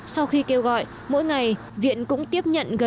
sau khi kêu gọi mỗi ngày viện cũng tiếp nhận gần hai trăm linh người